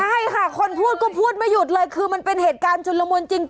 ใช่ค่ะคนพูดก็พูดไม่หยุดเลยคือมันเป็นเหตุการณ์ชุนละมุนจริง